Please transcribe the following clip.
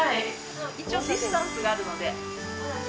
一応ディスタンスがあるので。